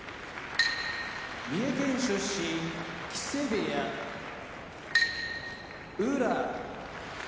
三重県出身木瀬部屋宇良